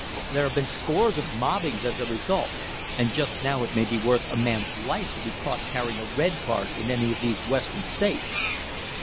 "There have been scores of mobbings as a result, and just now it may be worth a man's life to be caught carrying a red card in any of these Western states."